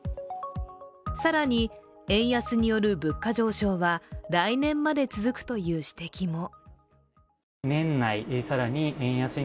更に円安による物価上昇は来年まで続くという指摘も。